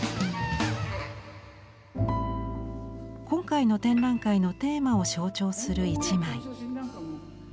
今回の展覧会のテーマを象徴する一枚。